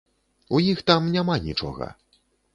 У іх там няма нічога.